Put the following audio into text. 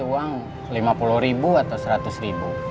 paling mereka ngasih uang lima puluh ribu atau seratus ribu